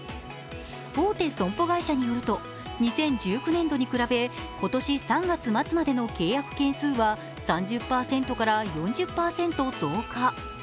大手損保会社によると２０１９年度に比べ今年３月末までの契約件数は３０％から４０％増加。